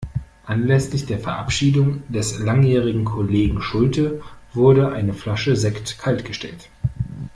Anlässlich der Verabschiedung des langjährigen Kollegen Schulte, wurde eine Flasche Sekt kaltgestellt.